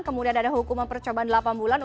kemudian ada hukuman percobaan delapan bulan